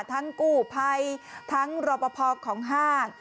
ทั้งกู่ภัยทั้งรบพพอกของห้าง